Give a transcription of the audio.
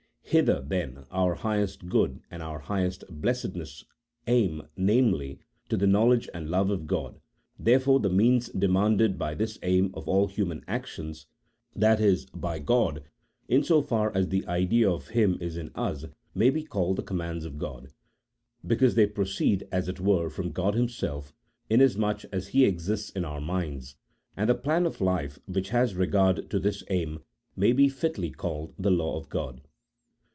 Hither, then, our highest good and our highest blessed ness aim — namely, to the knowledge and love of God; there fore the means demanded by this aim of all human actions, that is, by God in so far as the idea of him is in us, may be called the commands of God, because they proceed, as it were, from God Himself, inasmuch as He exists in our minds, and the plan of life which has regard to this aim may be fitly called the law of God.